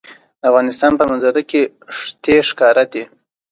د افغانستان په منظره کې ښتې ښکاره ده.